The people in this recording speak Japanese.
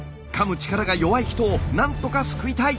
力が弱い人をなんとか救いたい！